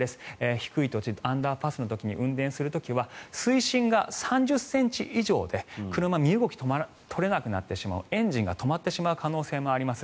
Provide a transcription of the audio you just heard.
低い土地、アンダーパスを運転する時は水深が３０ｃｍ以上で車は身動きが取れなくなるエンジンが止まってしまう可能性もあります。